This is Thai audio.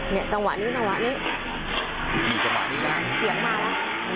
จังหวะนี้จังหวะนี้นี่จังหวะนี้นะฮะเสียงมาแล้ว